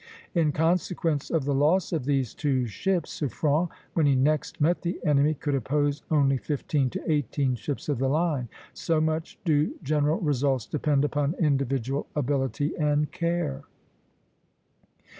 In consequence of the loss of these two ships, Suffren, when he next met the enemy, could oppose only fifteen to eighteen ships of the line; so much do general results depend upon individual ability and care.